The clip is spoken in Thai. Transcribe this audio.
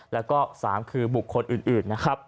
แล้วก็๓บุคคลอื่น